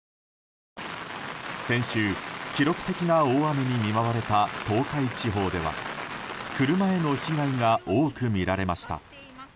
先週、記録的な大雨に見舞われた東海地方では車への被害が多く見られました。